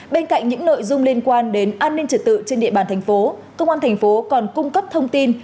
bên cạnh những nội dung liên quan đến an ninh trật tự trên địa bàn tp công an tp còn cung cấp thông tin